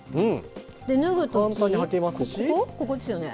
で、脱ぐとき、ここですよね。